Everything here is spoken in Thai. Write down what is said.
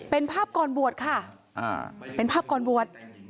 เป็นภาพก่อนบวชค่ะเป็นภาพก่อนบวช